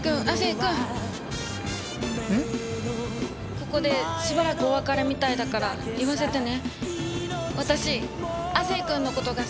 ここでしばらくお別れみたいだから言わせてね。